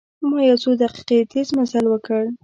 ما یو څو دقیقې تیز مزل وکړ.